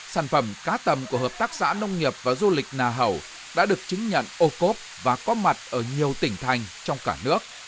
sản phẩm cá tầm của hợp tác xã nông nghiệp và du lịch nà hầu đã được chứng nhận ô cốp và có mặt ở nhiều tỉnh thành trong cả nước